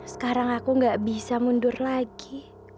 sekarang aku gak bisa mundur lagi